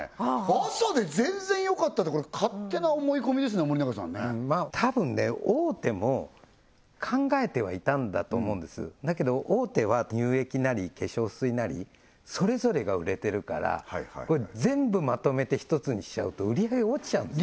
朝で全然よかったってこれ勝手な思い込みですね森永さんねたぶんね大手も考えてはいたんだと思うんですだけど大手は乳液なり化粧水なりそれぞれが売れてるから全部まとめて１つにしちゃうと売り上げが落ちちゃうんです